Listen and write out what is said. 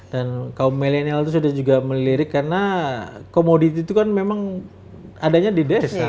dan kaum milenial itu sudah juga melirik karena komoditi itu kan memang adanya di desa